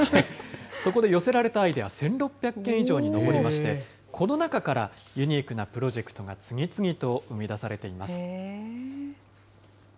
そこで寄せられたアイデア、１６００件以上に上りまして、この中からユニークなプロジェクトが次々と生み出されています。